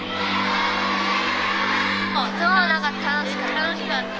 楽しかった。